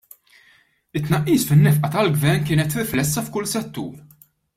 It-tnaqqis fin-nefqa tal-Gvern kienet riflessa f'kull settur.